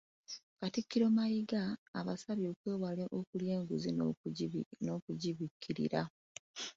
Katikkiro Mayiga abasabye okwewala okulya enguzi n'okugibikkirira.